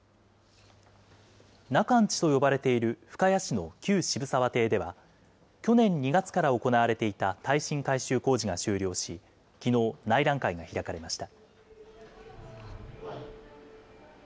中の家と呼ばれている深谷市の旧渋沢邸では、去年２月から行われていた耐震改修工事が終了し、きのう、内覧会が開かれました。